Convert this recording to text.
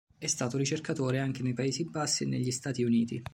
È stato ricercatore anche nei Paesi Bassi e negli Stati Uniti.